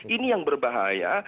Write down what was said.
ini yang berbahaya